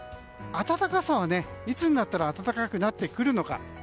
では、いつになったら暖かくなってくるのか。